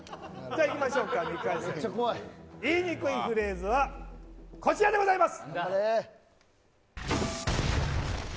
いきましょうか、２回戦言いにくいフレーズはこちらでございます！